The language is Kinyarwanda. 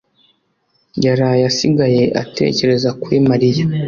yaraye asigaye atekereza kuri Mariya.